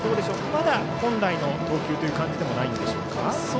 まだ本来の投球という感じではないでしょうか。